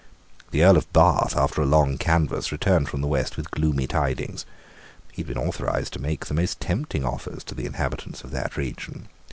The Earl of Bath, after a long canvass, returned from the West with gloomy tidings. He had been authorised to make the most tempting offers to the inhabitants of that region.